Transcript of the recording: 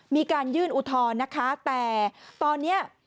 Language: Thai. มีการยื่นอุทธรณ์นะคะแต่ตอนนี้